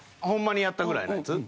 ほんまにやったぐらいのやつ？